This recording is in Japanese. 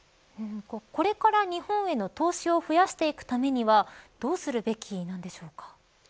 これから日本への投資を増やしていくためにはどうするべきなんでしょうか。